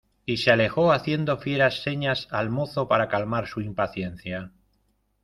y se alejó haciendo fieras señas al mozo para calmar su impaciencia.